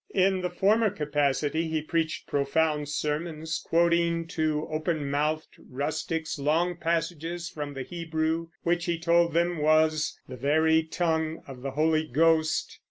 In the former capacity he preached profound sermons, quoting to open mouthed rustics long passages from the Hebrew, which he told them was the very tongue of the Holy Ghost.